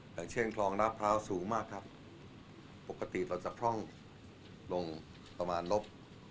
อย่างเช่นคลองน้ำพร้าวสูงมากครับปกติเราจะพร่องลงประมาณลบ